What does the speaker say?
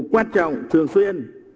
quan trọng thường xuyên